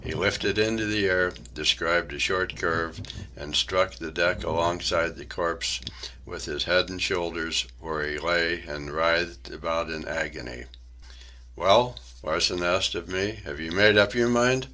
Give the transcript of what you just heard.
He lifted into the air, described a short curve, and struck the deck alongside the corpse on his head and shoulders, where he lay and writhed about in agony. "Well?" Larsen asked of me. "Have you made up your mind?"